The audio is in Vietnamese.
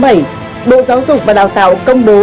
bộ giáo dục và đào tạo công bố